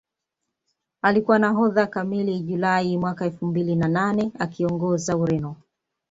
Alikuwa nahodha kamili Julai mwaka elfu mbili na nane akiongoza Ureno